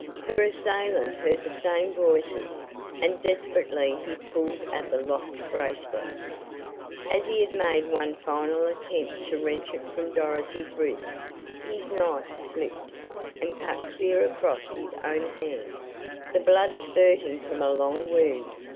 Her assailant heard the same voices, and desperately he pulled at the locked bracelet. As he made one final attempt to wrench it from Dorothy's wrist, his knife slipped, and cut clear across his own hand, the blood spurting from a long wound.